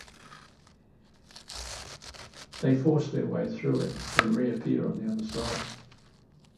They force their way through it and reappear on the other side.